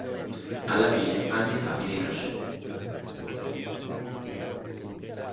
Alla fine anche Sati rinasce.